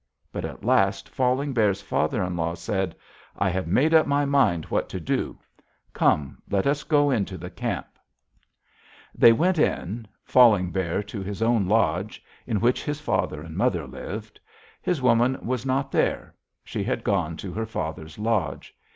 But at last Falling Bear's father in law said: 'I have made up my mind what to do. Come! Let us go on into camp.' "They went in; Falling Bear to his own lodge in which his father and mother lived. His woman was not there; she had gone to her father's lodge.